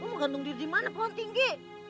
gua mau gantung diri di mana pohon tinggi